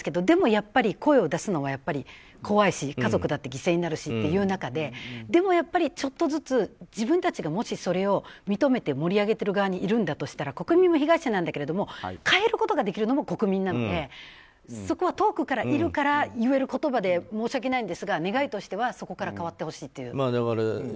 でもやっぱり声を出すのは怖いし家族だって犠牲になる中ででもやっぱりちょっとずつ自分たちがそれを認めて盛り上げている側にいるんだとしたら国民も被害者なんだけど変えることができるのも国民なのでそこは遠くから言えるから言える言葉で申し訳ないんですが願いとしてはそこから変わってほしいという。